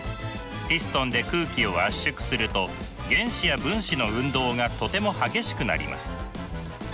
ピストンで空気を圧縮すると原子や分子の運動がとても激しくなります。